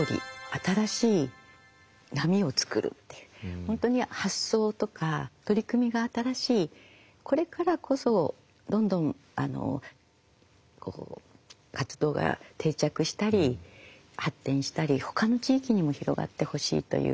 本当に発想とか取り組みが新しいこれからこそどんどん活動が定着したり発展したりほかの地域にも広がってほしいという。